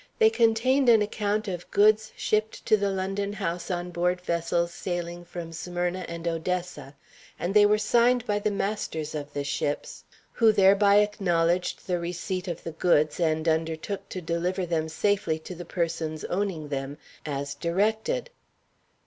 They contained an account of goods shipped to the London house on board vessels sailing from Smyrna and Odessa, and they were signed by the masters of the ships, who thereby acknowledged the receipt of the goods, and undertook to deliver them safely to the persons owning them, as directed.